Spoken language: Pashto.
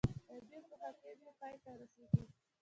د امیر په حکم یې پای ته رسېږي.